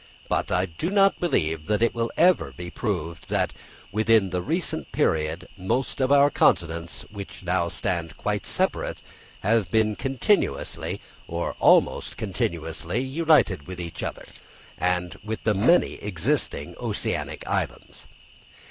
But I do not believe that it will ever be proved that within the recent period most of our continents which now stand quite separate, have been continuously, or almost continuously united with each other, and with the many existing oceanic islands.